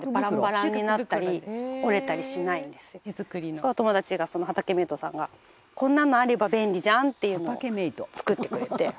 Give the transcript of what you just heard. これお友達が畑メイトさんがこんなのあれば便利じゃんっていうのを作ってくれて。